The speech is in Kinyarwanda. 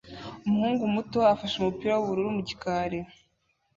Umuhungu muto afashe umupira w'ubururu mu gikari